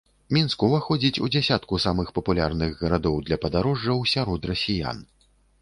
Мінск уваходзіць у дзясятку самых папулярных гарадоў для падарожжаў сярод расіян.